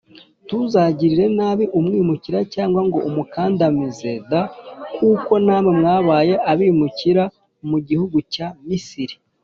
Ntuzagirire nabi umwimukira cyangwa ngo umukandamize d kuko namwe mwabaye abimukira mu gihugu cya misiri